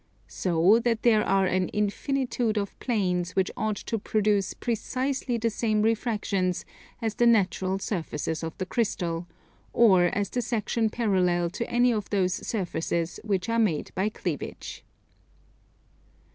So that there are an infinitude of planes which ought to produce precisely the same refractions as the natural surfaces of the crystal, or as the section parallel to any one of those surfaces which are made by cleavage.